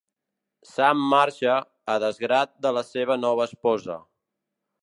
Sam marxa, a desgrat de la seva nova esposa.